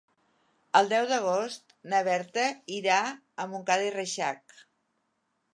El deu d'agost na Berta irà a Montcada i Reixac.